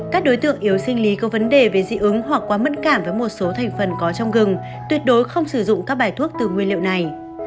các đối tượng yếu sinh lý có vấn đề về dị ứng hoặc quá mẫn cảm với một số thành phần có trong gừng tuyệt đối không sử dụng các bài thuốc từ nguyên liệu này